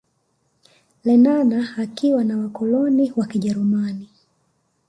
Lenana akiwa na wakoloni wa kijerumani